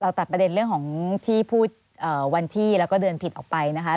ตัดประเด็นเรื่องของที่พูดวันที่แล้วก็เดินผิดออกไปนะคะ